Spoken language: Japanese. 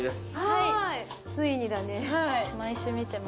はい。